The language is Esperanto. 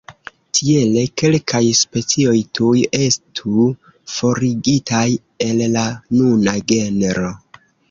Tiele, kelkaj specioj tuj estu forigitaj el la nuna genro.